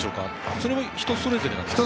それは人それぞれですか。